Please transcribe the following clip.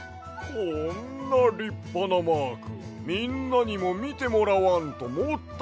こんなりっぱなマークみんなにもみてもらわんともったいないわ！